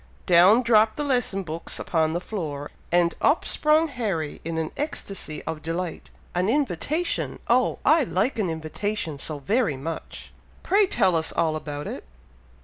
Down dropped the lesson books upon the floor, and up sprung Harry in an ecstacy of delight. "An invitation! Oh! I like an invitation so very much! Pray tell us all about it!"